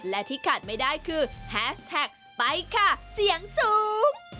และที่ขาดไม่ได้คือแฮชแท็กไปค่ะเสียงสูง